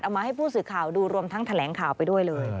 มาให้ผู้สื่อข่าวดูรวมทั้งแถลงข่าวไปด้วยเลย